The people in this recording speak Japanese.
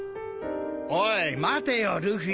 おい待てよルフィ